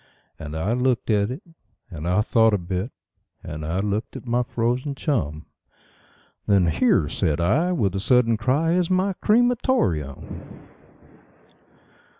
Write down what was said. And I looked at it, and I thought a bit, and I looked at my frozen chum; Then "Here", said I, with a sudden cry, "is my cre ma tor eum."